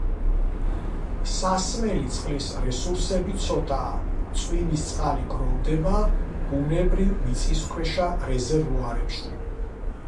სასმელი წყლის რესურსები ცოტაა, წვიმის წყალი გროვდება ბუნებრივ მიწისქვეშა რეზერვუარებში.